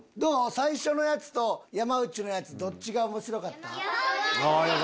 最初のやつと山内のやつどっちが面白かった？